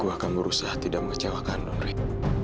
gue akan berusaha tidak mengecewakanmu nenek